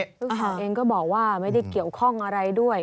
ลูกสาวเองก็บอกว่าไม่ได้เกี่ยวข้องอะไรด้วย